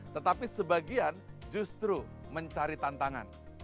tetapi sebagian justru mencari tantangan